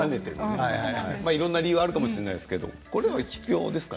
いろんな理由があると思いますがこれは必要ですか？